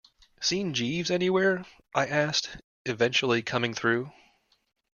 'Seen Jeeves anywhere?' I asked, eventually coming through.